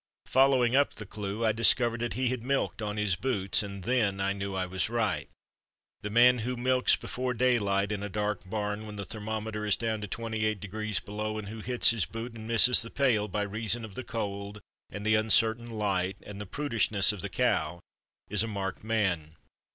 Following up the clue, I discovered that he had milked on his boots and then I knew I was right. The man who milks before daylight, in a dark barn, when the thermometer is down to 28 degrees below and who hits his boot and misses the pail, by reason of the cold and the uncertain light and the prudishness of the cow, is a marked man.